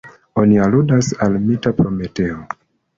Oni aludas al mita Prometeo.